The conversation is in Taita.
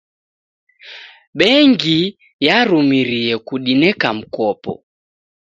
Bengi yarumirie kudineka mkopo.